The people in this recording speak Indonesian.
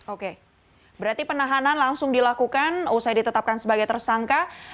oke berarti penahanan langsung dilakukan usai ditetapkan sebagai tersangka